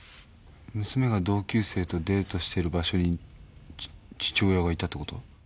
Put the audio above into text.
娘が同級生とデートしてる場所に父親がいたってこと？